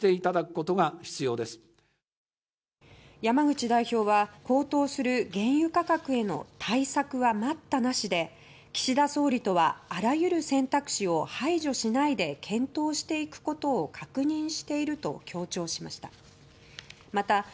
山口代表は、高騰する原油価格への対策は待ったなしで岸田総理とはあらゆる選択肢を排除しないで検討していくことを確認していると強調しました。